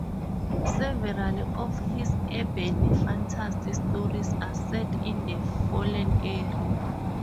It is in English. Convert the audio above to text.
Several of his urban fantasy stories are set in the Fallen Area.